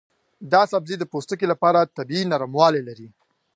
دا سبزی د پوستکي لپاره طبیعي نرموالی لري.